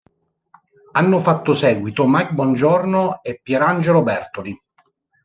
Hanno fatto seguito Mike Bongiorno e Pierangelo Bertoli.